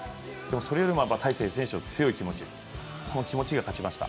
それよりも大勢選手の強い気持ちが勝ちました。